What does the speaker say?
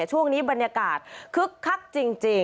ช่วงนี้บรรยากาศคึกคักจริง